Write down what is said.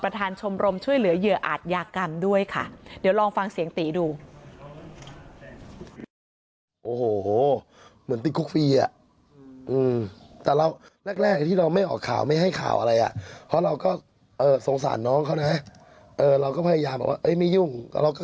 ประธานชมรมช่วยเหลือเหยื่ออาจยากรรมด้วยค่ะ